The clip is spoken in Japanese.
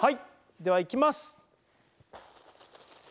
では、いきます！